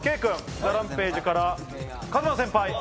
ＴＨＥＲＡＭＰＡＧＥから壱馬先輩！